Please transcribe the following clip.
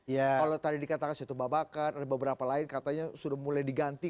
ya kalau tadi dikatakan situ babakan ada beberapa lain katanya sudah mulai diganti